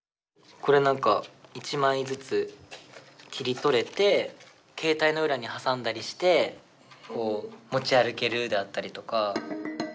これ何か１枚ずつ切り取れて携帯の裏に挟んだりして持ち歩けるであったりとか。